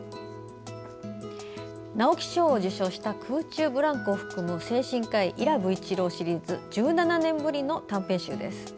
直木賞を受賞した「空中ブランコ」を含む精神科医・伊良部一郎シリーズ１７年ぶりの短編集です。